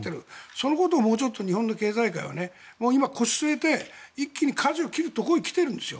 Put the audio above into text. そのことをもうちょっと日本の経済界は、腰を据えて一気にかじを切るところに来てるんですよ。